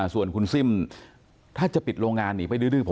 ส่วนคุณซิ่มถ้าจะปิดโรงงานหนีไปดื้อผม